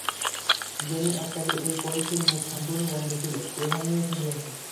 যেন এককালে এই কলসির মুখ সম্পূর্ণ বন্ধ ছিল, কে ভাঙিয়া ফেলিয়াছে।